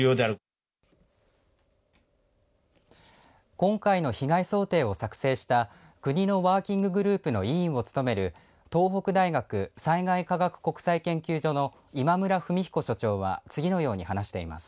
今回の被害想定を作成した国のワーキンググループの委員を務める東北大学災害科学国際研究所の今村文彦所長は次のように話しています。